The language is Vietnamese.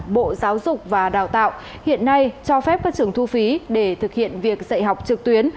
bộ giáo dục và đào tạo hiện nay cho phép các trường thu phí để thực hiện việc dạy học trực tuyến